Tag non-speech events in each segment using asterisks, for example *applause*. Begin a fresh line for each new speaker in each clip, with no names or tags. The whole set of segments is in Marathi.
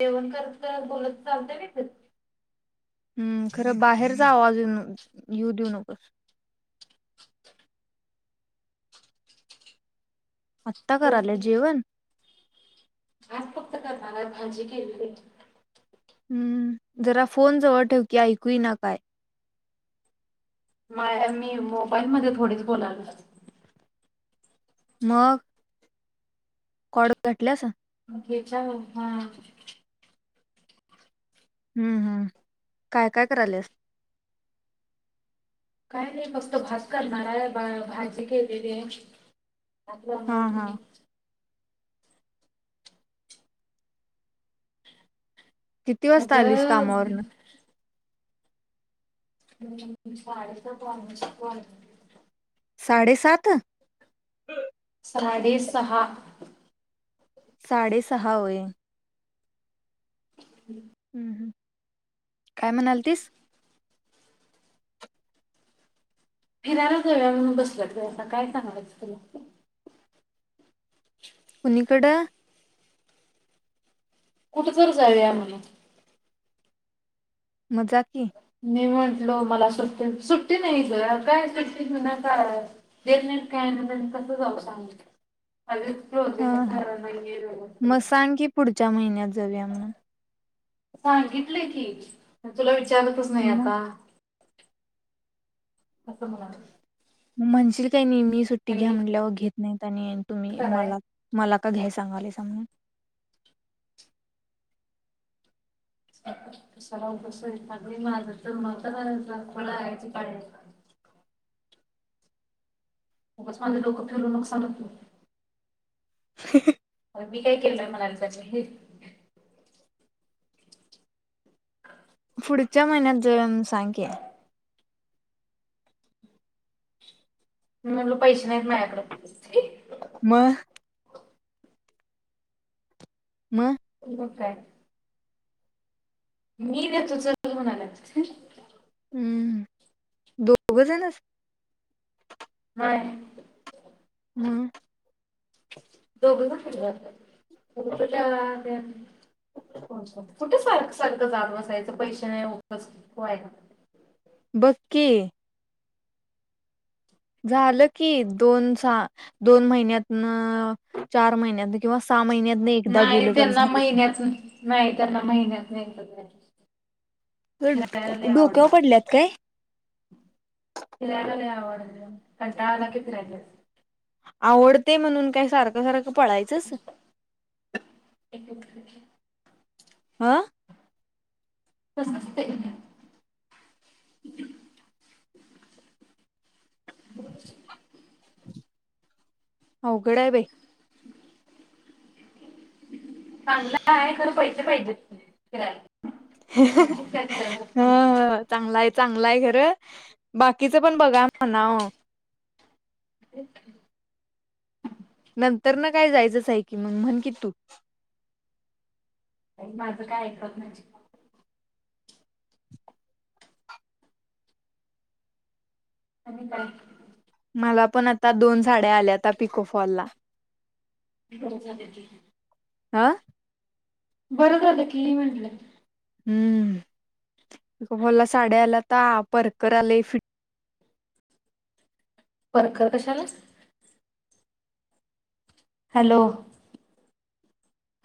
जेवण करत करत बोलत चालत व्हय कधी.
हम्म खरं बाहेर आवाज *inaudible* घेऊन. येऊ देऊ नकोस. आत्ता करायले
बोलते
जेवण?
आज भात फक्त करणार भाजी केलेली.
हम्म जरा फोन जवळ ठेवकी ऐकू एत नाही काय.
*inaudible* मी मोबाईल मध्ये थोडीच बोलायल.
मग. कड घटल्यास.
*unintelligible*
हम्म हम्म काय काय करायल्यास.
*unintelligible* अ
हा हा
*unintelligible*
किती वाजता आलीस
अगं
कामावरन?
*unintelligible*
साडे सात?
साडेे सहा.
साडे सहा होय.
हम्म
*inaudible* काय म्हणालतीस.
*inaudible*
कोणीकड.
कुठं तर जावूया म्हणून.
मजा की.
मी म्हंटलो मला सुट्टी सुट्टी नाही ग काय सु्टी ना काय. *inaudible* दट *inaudible* नट काय आहे ना तस जाऊ सांग अ *inaudible* रोज
हा
*inaudible*
हा.
सारा नाही आहे
मग
र
सांग की पुढच्या महिन्यात जाऊया म्हणून.
सांगितले की. तुला विचारतच नाही
मग
आता. असं म्हणाले.
म्हणशील काही नाही मी सुट्टी घ्या
काही एक
म्हणल्यावर घेत नाहीत आणि तुम्ही
कराय
मला. मला का घ्याय सांगाले समून.
*inaudible* तला उपस आहे अग माझं तर मात कोलायच पाडे. *inaudible* मगच *inaudible* माांे लोकं फिरून नुकसान होतो
*inaudible* ह्
मी काय केलं *inaudible* आहे म्हणाला *inaudible* ज
पुढच्या महिन्यात ज *inaudible* सांगे
*inaudible* म्हटलं पैसे नाहीत *inaudible* नाकड
मग. म.
*inaudible* हो काय मी न तो च म्हणाला.
हम्म. दोघं जणच.
*inaudible* हा
हम्म..
*inaudible* दोघ घ *unintelligible* कुठे सारख सारखं जाात बसायचं, पैसे नाही आहे.
*inaudible* बके झालं की दोनसा. दोन महिन्यात, चार महिन्यात किंवा सहा महिन्यात.
नाही त्यांना *inaudible* महिन्यात नाही त्यांना महिन्यात *inaudible* नाही
तर
फिरायला लय
*inaudible*
आवड
डोक्या पडल्यात काय?
फिरायला *inaudible* नाही आवड कंटाळला फिरायला *inaudible*
आवडते म्हणून काय सारखं, सारखं पळायचंच.
*unintelligible* *inaudible* एक
हा.
तसाच ते.
अवघड आहे बाई.
चांगला आहे *inaudible* तर पैसे पाहिजेत फिरायला
ह
*inaudible*
चांगला आहे चांगला आहे खरं, बाकीचं पण बघा म्हणाव...
*inaudible*
नंतर ना काय जायचंच आहे की मग म्हण कि तू.
माझं काय ऐकत नाही. आणि काय?
मला पण आता दोन साड्या आल्यात, पिकोफॉल ला....
बरं झालं की...
हं.
बरलं की म्हणलं
हम्म *unintelligible* साड्या आला तर परकर आले फिट.
परकर कशाला? हॅलो!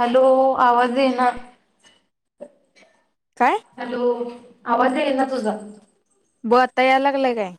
हॅलो आवाज येईना.
काय?
हॅलो आवाज येईना तुझा
ब आता यायला लागलाय काय?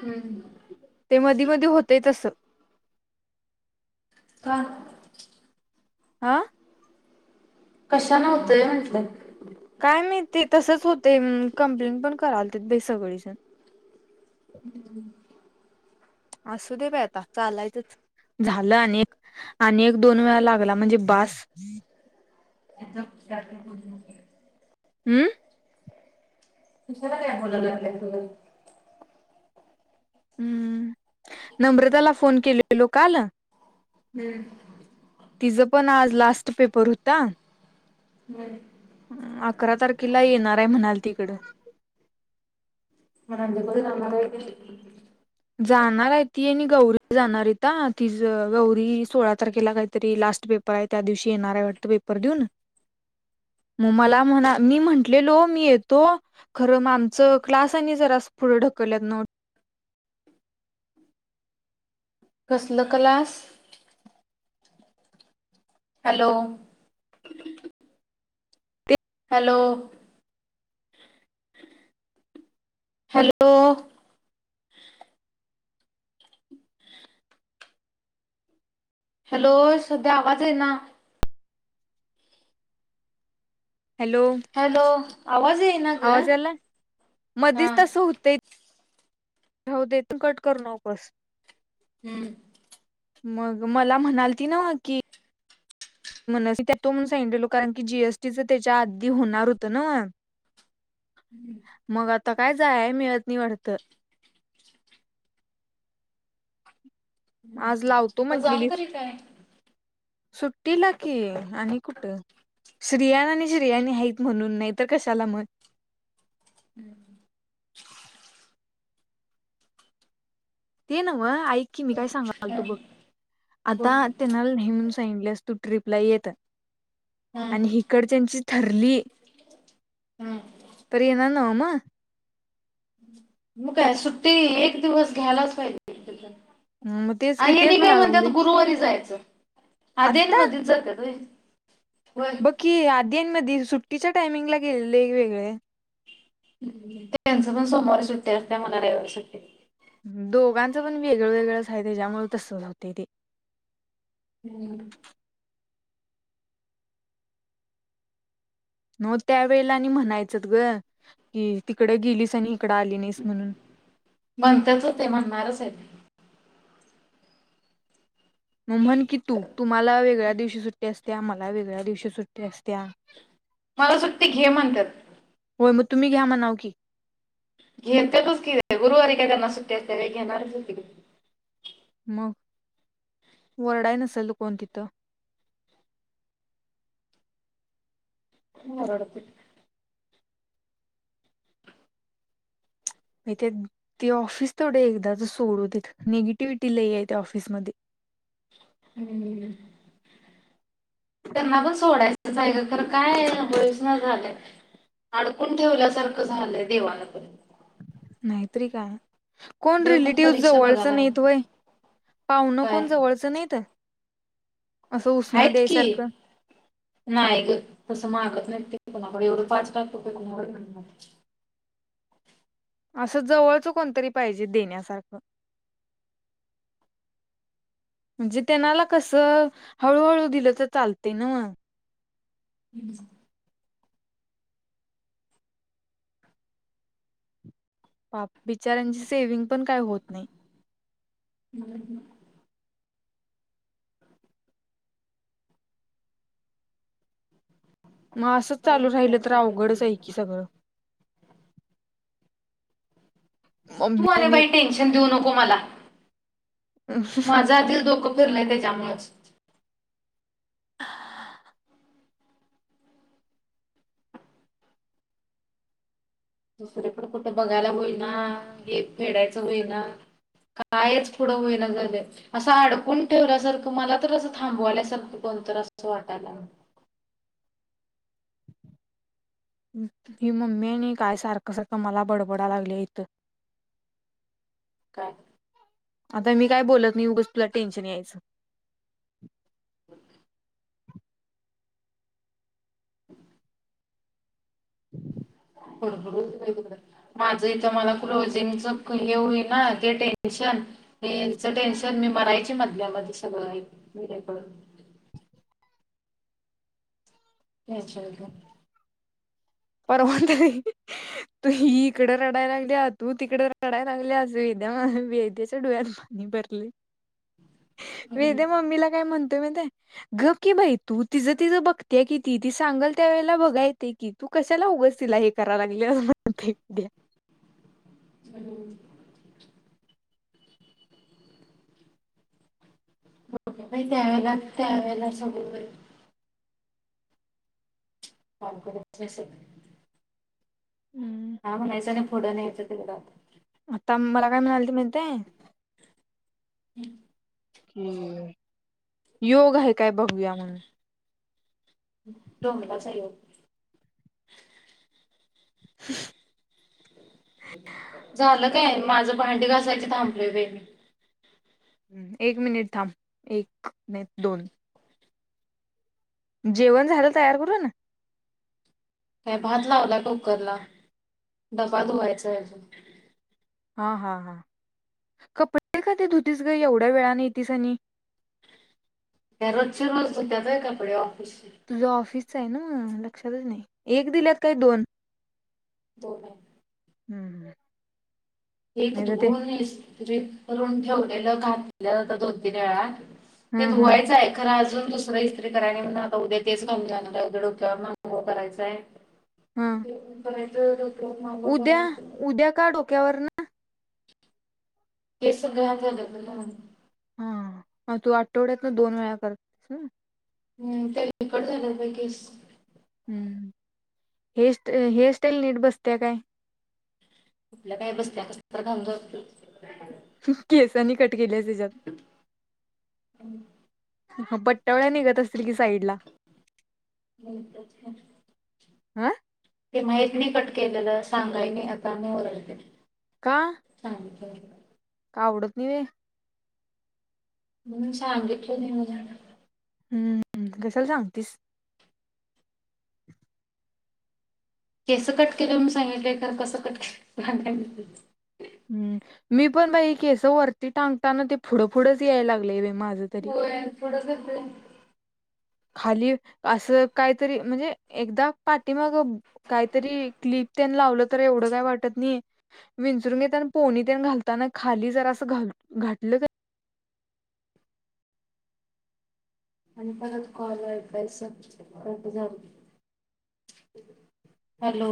हम्म.
ते मधी मधी होतय तस
का
आह
कशाला होतय म्हंटल?
काय माहिती तसंच होतय कम्प्लेंट पण करायल ते सगळीजण
हम्म.
असू दे बाय आता चालायचच झालं आणि एक आणि एक दोन वेळा लागला म्हणजे बास
*inaudible*
हम्म.
*inaudible*
हम्म नम्रताला फोन केलेलो काल
हम्म.
तिचं पण आज लास्ट पेपर होता
व्हय.
अकरा तारखेला येणार आहे म्हणाली तिकड
*unintelligible* जमणार *unintelligible*
जाणार आहे ती आणि गौरी जाणार आहेता ती गौरी सोळा तारखेला काहीतरी लास्ट पे पर त्या दिवशी येणार आहे वाटत पेपर देऊन मला म्हणा मी म्हटलेलो मी येतो खरं मग आमच क्लास आणि जरास पुढं ढकलल्यात नो
कसलं क्लास? हॅलो!
ते
हॅलो! हॅलो! हॅलो सध्या आवाज येईना
हॅलो
हॅलो आवाज येईना ग
आवाजा यालाय
हा
मधेच तस होतंय. राहू दे तु कट करु नकोस.
हम्म.
मग मला म्हणालती ना की मन *unintelligible* कारण की जी एस टी च त्याच्या आधी होणार होतं नव्ह
हम्म.
मग आता काय जाया मिळत नाही वाटतं. आज लावतो
आता
म्हटलेली
जाऊन तरी काय.
सुट्टीला की आणि कुठे श्रीयन आणि श्रियाणी हायीत म्हणून नाही तर कशाला म
*inaudible*
ते न्हव ऐक की मी काय सांगालतू
हा
बघ. आता
बोल
त्यांना *unintelligible* *unintelligible* तू ट्रिपला येत.
हा
आणि हिकडं च्यांची ठरली.
हा.
तर येनार नव्ह मंग?
मग काय सुट्टी एक दिवस घ्यायलाच पाहिजे
मग तेच
आणि
की
हेनी
तेच
काय
म्हणा
म्हणतात
लागले
गुरुवारी जायचं. आधी आणि
आत्ता
मध्ये जात्यात व्हय? व्हय.
बघ की आधीन मधी सुट्टीच्या टायमिंगला गेलेले वेगळे.
त्यांचं पण सोमवारी सुट्टी असत्या म्हण रविवार सुट्टी.
दोघांचं पण वेगळं वेगळंच हाय त्याच्यामुळे तसं होतय ते.
*inaudible*
हो त्या वेळेला आणि म्हणायचत ग की तिकड गेलीस आणि इकडं आली नाहीस म्हणून.
म्हणतच होतय म्हणणारच आहे तेे.
मग म्हण की तू, तुम्हाला वेगळ्या दिवशी सुट्टी असत्या मला वेगळ्या दिवशी सुट्टी असत्या.
मला सुट्टी घे म्हणत्यात.
होय मग तुम्ही घ्या म्हणाव की.
घेत्यातच की, गुरवारी काय त्यांना सुट्टी असतिया व्हय घेणारच की.
मग वरडाय नसेल कोण तिथं.
कोण ओरडतय?
मीते ते ऑफिस तेवढं एकदाच सोडू देत निगेटिविटी लई आहे त्या ऑफिसमध्ये.
*inaudible* त्यांना पण सोडायचंच आहे ग. खर काय होइच ना झालंय. अडकून ठेवल्यासारखं झालंय देवांपण.
नाहीैतरी काय. कोण
देव पण
रिलेटिव्ह
परीक्षा
जवळचं
बघायला
नाहीत व्हय? पावन
काय
कोण जवळचं नाहीत? असं उसनं
हायत की.
द्यायसारखं
नाही ग तसं मागत नाही ते कोणाकडे एवढं पाच पाच रुपये कुणाकड मिळणार?
असं जवळच कोणतरी पाहिजे देण्यासारखं. म्हणजे त्यांनाला कसं हळूहळू दिलं तर चालते मग.
*inaudible*
बिचाऱ्यांचे सेविंग पण काही होत नाही.
*inaudible*
मग असंच चालू राहिलं तर अवघडच आहे की सगळं.
तू आणि बाई टेन्शन देऊ नको मला. माझ आधीच डोकं फिरलय त्यांच्या मूळच. दुसरी कुठ बघायला होईना. हे फेडायचं होई ना? कायच पुढं होई ना झालय. असं अडकून ठेवल्यासारखं, मला तर असं थांबवाल्याच सारखं कोणतर असंच वाटायला.
ही मम्मी आणि काय सारखं सारखं मला बडबडा लागलिया इथं.
काय?
आता मी काय बोलत नाही उगच तुला टेन्शन यायचं.
*inaudible* *inaudible* *unintelligible* माझं इथं मला क्लोजिंगच हे होईना ना ते टेन्शन यांच टेन्शन मी मरायची मधल्यामध्ये. *unintelligible* *unintelligible*
*unintelligible* ही हिकडं रडायला लागल्या, तू तिकड रडायला लागल्यास, वेद्या, वेद्याच्या डोळ्यात भरली,
घेऊन
वेद्या मम्मीला काय म्हणतोय माहिताय? गप की बाई, तू तिचं तिचं बघतीया कि ती, ती सांगल त्या वेळेला बघा ते की, तू कशाला उगस तला हे करायला. *unintelligible*
हॅलो. त्यावेला त्यावेळेला सग *unintelligible*
हम्म.
हा, म्हणायचं आणि पुढं न्यायचं तिकडं.
आता मला काय म्हणालती माहिती हाय?
हम्.
हम, योग आहे काय बघूया म्हणून
डोंबल्याचा योग.
*unintelligible*
झालं काय? माझं भांडी घासायचं थांबलय बे.
*unintelligible* एक मिनिट थांब, एक नाही, दोन. जेवण झालं तयार करून.
*unintelligible* भात लावला कुकर ला, डबा धुवायचा अजून.
हा हा हा कपडे कधी धुतीस ग एवढ्या वेळाने येेतस, आणि
त्या रोजच्या रोज धुत्यात होय, कपडे ऑफिस.
तुझा ऑफिसच आहे ना लक्षातच नाही एक दिल्यात, काय दोन?
दोन हायत.
हम्म हम!
एक धुऊन इस्त्री करून ठेवलेलं घातल्या जात दोन, तीन वेळा. ते
हम्म हम्म
धुवायचं आय. खरं अजून दुसरं इस्त्री कराय नाही म्हनून आता उद्या तेच घालून जानाराय. उद्या डोक्यावरून आंघोळ करायच आय जेवण करायचं मांगोळ करायचं
उद्या-उद्या का डोक्यावर न?
केस घान झाल्यात म्हनून
हा. तू आठवड्यात ना दोन वेळा करतीस वय?
हम तेलकट झाल्यात बाई केस.
हम्म. हेअर हेअरस्टाईल नीट बसते काय?
कुठल काय बस्त्या कस तर घालून जातोय.
केसांनी कट केले तिच्यात म पट्टवल्या निघत असतील कि साईड ला?
*inaudible*
हा
ते माहीत नाही कट केलेलं सांगाय नाई. आता आणि ओरडत्यात.
का?
चालतंय
का आवडत नाही व्हय?
म्हनून सांगितलं नाही मला.
हम्म कशाल सांगतीस?
केस कट केलं म सांगितलंय तर कसं कट *inaudible*
हम् मी पण बाई केस वरती टांगताना ते पुढं पुुढंच यायला लागलं माझं. तरी
हो थोडं ये.
खाली असं काहीतरी म्हणजे एकदा पाठीमाग काहीतरी क्लिप त्यांनी लावलं तर एवढं काय वाटतं नाही. विंचरून घेताना पोणीत घालताना खाली जर अस घा- घातलं.
परत कॉल *inaudible* अंत कत काल अलसत जर हॅलो!